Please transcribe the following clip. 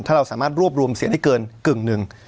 ถ้าเราสามารถรวบรวมเสียงได้เกินกึ่งหนึ่ง